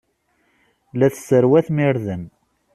La tesserwatem irden.